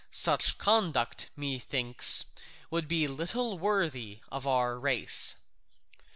Such conduct, methinks, would be little worthy of our race."